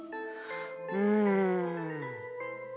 うん。